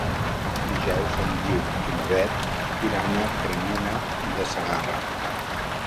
Dijous en Guiu i na Beth iran a Granyena de Segarra.